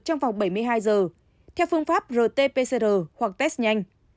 trong vòng bảy mươi hai giờ theo phương pháp rt pcr hoặc test nhanh